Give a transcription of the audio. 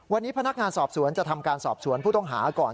วันนี้พนักงานสอบสวนจะทำการสอบสวนผู้ต้องหาก่อน